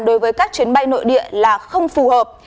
đối với các chuyến bay nội địa là không phù hợp